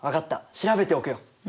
調べておくよ。